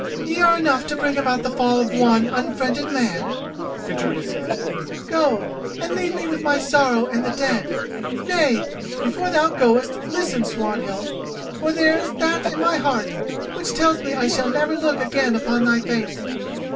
"Ye are enough to bring about the fall of one unfriended man," Gudruda said. "Go, and leave me with my sorrow and the dead. Nay! before thou goest, listen, Swanhild, for there is that in my heart which tells me I shall never look again upon thy face.